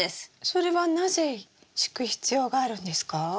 それはなぜ敷く必要があるんですか？